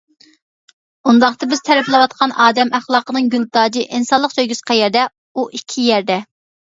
ئۇنداقتا بىز تەرىپلەۋاتقان ئادەم ئەخلاقىنىڭ گۈل تاجى ئىنسانلىق سۆيگۈسى قەيەردە؟ ئۇ ئىككى يەردە.